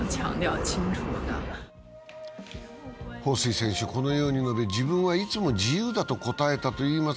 彭帥選手、このように述べ、自分はいつも自由だと答えたといいます。